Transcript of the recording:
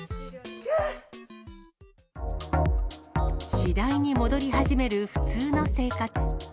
次第に戻り始める普通の生活。